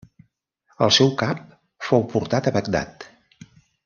El seu cap fou portat a Bagdad.